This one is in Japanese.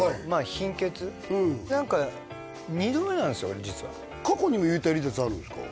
貧血で何か２度目なんですよこれ実は過去にも幽体離脱あるんですか？